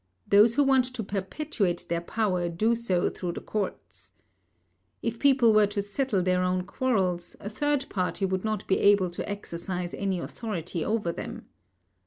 Those who want to perpetuate their power do so through the courts. If people were to settle their own quarrels, a third party would not be able to exercise any authority over them.